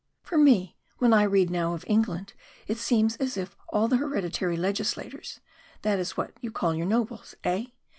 For me, when I read now of England, it seems as if all the hereditary legislators it is what you call your nobles, eh?